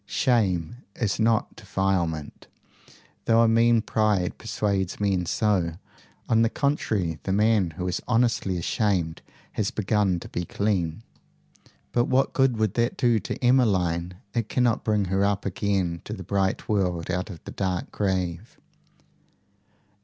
Shame is not defilement, though a mean pride persuades men so. On the contrary, the man who is honestly ashamed has begun to be clean." "But what good would that do to Emmeline? It cannot bring her up again to the bright world out of the dark grave."